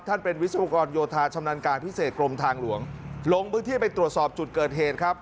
เป็นวิศวกรโยธาชำนาญการพิเศษกรมทางหลวงลงพื้นที่ไปตรวจสอบจุดเกิดเหตุครับ